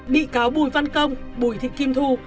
bị cáo bùi văn công bùi thị kim thu